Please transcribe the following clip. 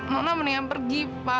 nona mendingan pergi pa